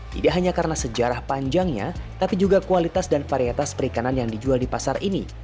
tidak hanya karena sejarah panjangnya tapi juga kualitas dan varietas perikanan yang dijual di pasar ini